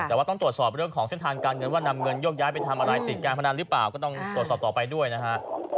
แต่ว่าต้องตรวจสอบเรื่องของเส้นทางการเงินว่านำเงินโยกย้ายไปทำอะไรติดการพนันหรือเปล่าก็ต้องตรวจสอบต่อไปด้วยนะฮะ